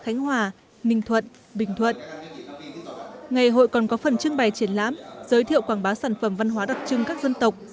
ngày hội còn có phần trưng bày triển lãm giới thiệu quảng bá sản phẩm văn hóa đặc trưng các dân tộc